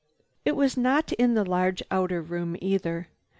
It was not in the large outer room either.